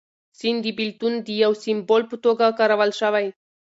سیند د بېلتون د یو سمبول په توګه کارول شوی.